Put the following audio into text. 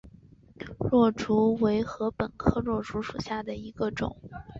箬竹为禾本科箬竹属下的一个种。